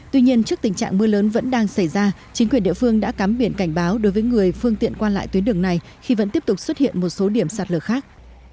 tuy nhiên trước tình trạng mưa lớn vẫn đang xảy ra chính quyền địa phương đã cắm biển cảnh báo đối với người phương tiện qua lại tuyến đường này khi vẫn tiếp tục xuất hiện một số điểm sạt lở khác